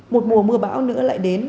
một mùa mưa bão nữa lại đến